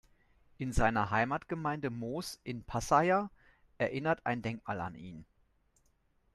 In seiner Heimatgemeinde Moos in Passeier erinnert ein Denkmal an ihn.